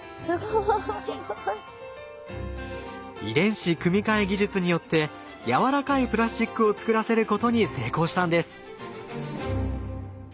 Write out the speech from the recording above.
遺伝子組み換え技術によってやわらかいプラスチックを作らせることに成功したんです。